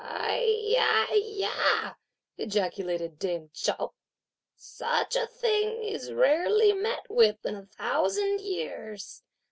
"Ai ya, ya!" ejaculated dame Chao, "such a thing is rarely met with in a thousand years!